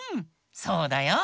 そうだよ。